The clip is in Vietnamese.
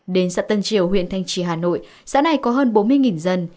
đến xã tân triều huyện thanh trì hà nội xã này có hơn bốn mươi dân